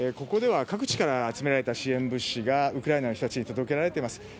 ここでは各地から集められた支援物資がウクライナの人たちに届けられています。